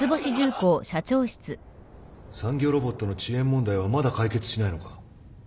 産業ロボットの遅延問題はまだ解決しないのか？